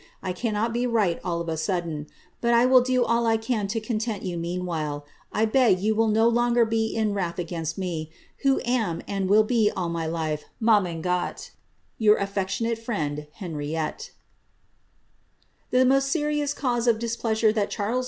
I cannot be right all of a sudden; but 1 will do all I can to content you meantime. I beg you will no longer be in wrath against me, who am and will be all my life, Mamangat, Your affectionate fKend, The most serious cause of displeasure that Charles 1.